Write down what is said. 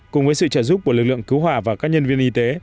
cùng với sự trợ giúp của lực lượng cứu hỏa và các nhân viên y tế